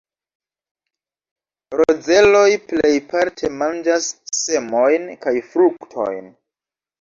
Rozeloj plejparte manĝas semojn kaj fruktojn.